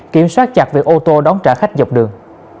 kiểm soát chặt việc ô tô đón trả khách dọc đường